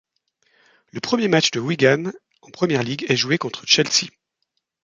Le premier match de Wigan en Premier League est joué contre Chelsea.